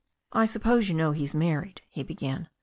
"I suppose you know he is married," he began.